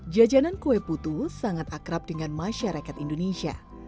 jajanan kue putu sangat akrab dengan masyarakat indonesia